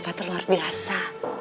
eh papa tuh luar biasa